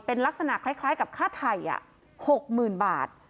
เป็นลักษณะคล้ายคล้ายกับค่าไถ่อ่ะหกหมื่นบาท